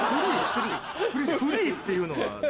フリーっていうのは？